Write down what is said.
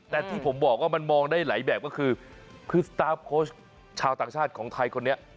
แต่ที่ผมบอกว่ามันมองได้หลายแบบก็คือคือสตาร์ฟโค้ชชาวต่างชาติของไทยคนนี้